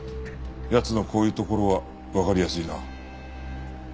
奴のこういうところはわかりやすいな。